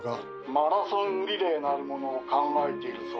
☎マラソンリレーなるものを考えているそうじゃないか。